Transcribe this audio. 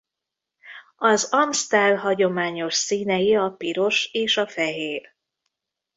Az Amstel hagyományos színei a piros és a fehér.